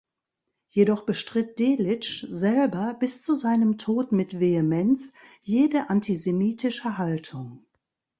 Jedoch bestritt Delitzsch selber bis zu seinem Tod mit Vehemenz jede antisemitische Haltung.